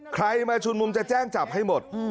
ใครมาชุมนุมจะแจ้งจับให้หมด